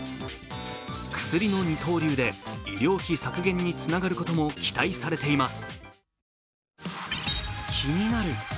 薬の二刀流で医療費削減につながることも期待されています。